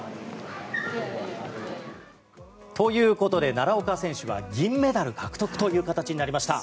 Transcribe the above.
ということで奈良岡選手は銀メダル獲得となりました。